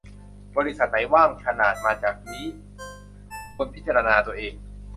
บริษัทไหนว่างขนาดมาจากนี้ควรพิจารณาตัวเอง